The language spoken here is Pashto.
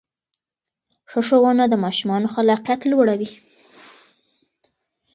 ښه ښوونه د ماشومانو خلاقیت لوړوي.